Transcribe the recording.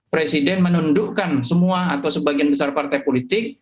presiden menundukkan semua atau sebagian besar partai politik